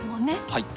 はい。